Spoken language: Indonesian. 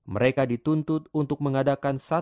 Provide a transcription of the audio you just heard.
mereka dituntut untuk mengadakan satu pekerjaan